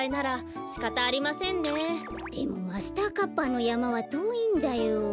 でもマスターカッパーのやまはとおいんだよ。